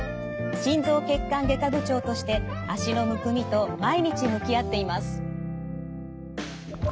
心臓血管外科部長として脚のむくみと毎日向き合っています。